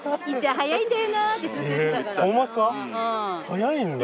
速いんだ。